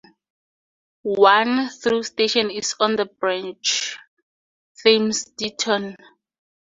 One through station is on the branch, Thames Ditton.